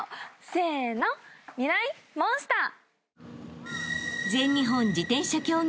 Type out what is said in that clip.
せーのミライ☆モンスター。